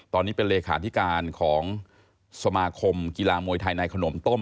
ตอนนี้เป็นเลขาธิการของสมาคมกีฬามวยไทยในขนมต้ม